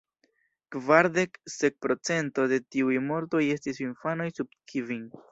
Kvardek sep procento de tiuj mortoj estis infanoj sub kvin.